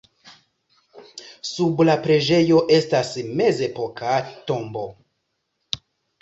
Sub la preĝejo estas mezepoka tombo.